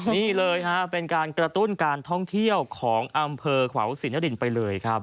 นี่เลยฮะเป็นการกระตุ้นการท่องเที่ยวของอำเภอขวาวศรีนรินไปเลยครับ